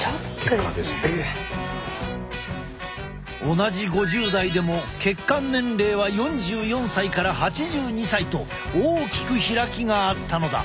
同じ５０代でも血管年齢は４４歳から８２歳と大きく開きがあったのだ。